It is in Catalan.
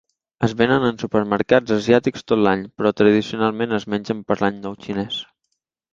Es venen en supermercats asiàtics tot l'any, però tradicionalment es mengen per l'Any Nou Xinès.